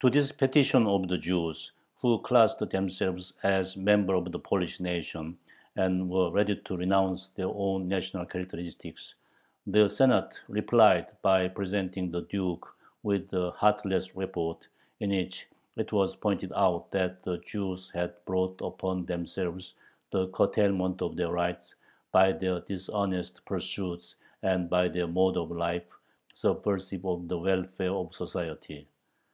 To this petition of the Jews, who classed themselves as "members of the Polish nation," and were ready to renounce their own national characteristics, the Senate replied by presenting the Duke with a heartless report, in which it was pointed out that the Jews had brought upon themselves the "curtailment of their rights" by their "dishonest pursuits" and by "their mode of life, subversive of the welfare of society."